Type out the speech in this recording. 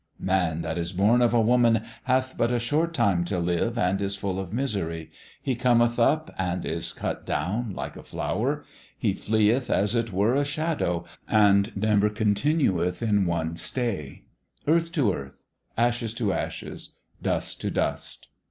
... Man that is born of a woman hath but a short time to live, and is full of misery. He cometh up, and is cut down, like a flower ; he fleeth as it were a shadow, and never continueth in one stay. ... Earth to earth, ashes to ashes, dust to dust.